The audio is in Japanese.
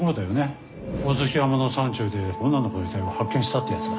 ホオズキ山の山中で女の子の遺体を発見したってやつだ。